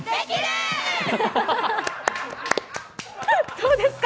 どうですか？